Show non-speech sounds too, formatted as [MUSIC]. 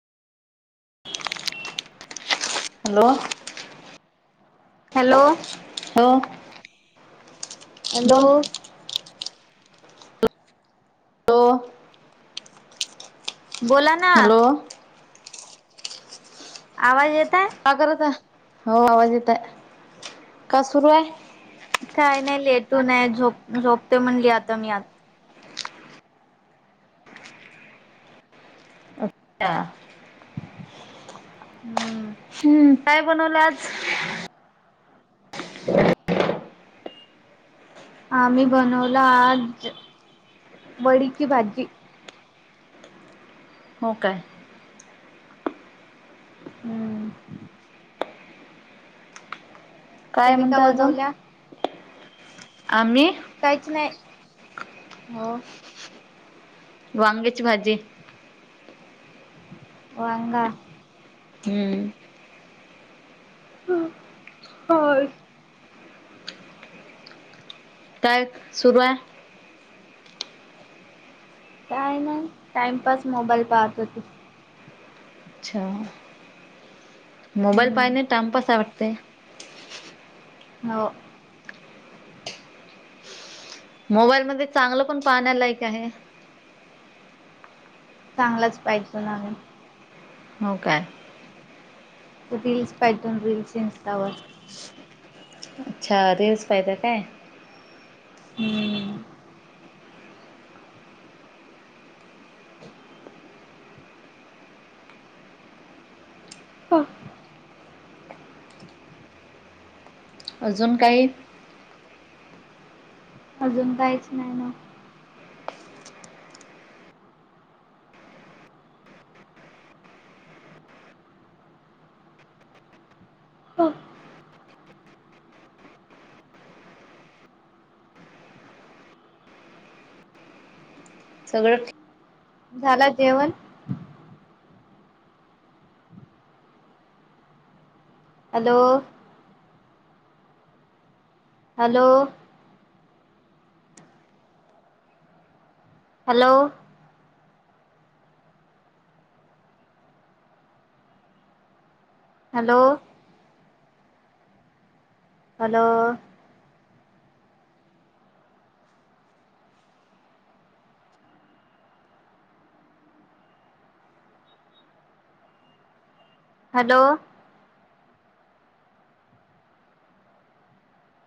[INAUDIBLE] Hello hello. हो. Hello. बोला ना हॅलो आवाज येता का करत हो आवाज येतय का सुरू आहे. काही नाही लेटून हाय झोप झोपते म्हणली आता मी आता. हा हम्म काय बनवलं आज? [INAUDIBLE] आम्ही बनवला आज वडीची भाजी. हो काय? हम्म काय तुम्ही म्हणत का अजून बनवल्या? आम्ही काहीच नाही हो वांगेची भाजी वांगा होय ह हो काय सुरू आहे. काय नाही टाइमपास मोबाईल पाहत होते. अच्छा मोबाईल हम्म पाहिणे टाइमपास आवडते. हो मोबाईलमध्येध्ये चांगलं पण पाहण्या लायक आहे. चांगलाच पाहितो ना हो काय रीलस पाहीतून रीलस इंस्टा अच्छा रील्स पाहील काय? [INAUDIBLE] हो अजून काही अजून काहीच नाही. सगळं ठीक झाला जेवण hello hello hello hello hello hello